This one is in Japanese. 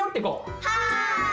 はい！